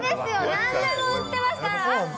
なんでも売ってますから。